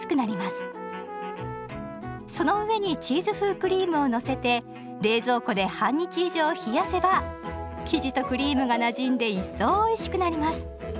その上にチーズ風クリームをのせて冷蔵庫で半日以上冷やせば生地とクリームがなじんで一層おいしくなります。